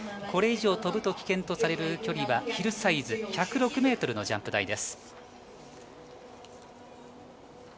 これ以上飛ぶと危険とされる距離はヒルサイズ１０６ｍのジャンプ台。